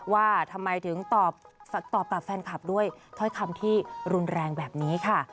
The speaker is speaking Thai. ว่าทำไมถึงตอบกลับแฟนคลับด้วยถ้อยคำที่รุนแรงแบบนี้ค่ะ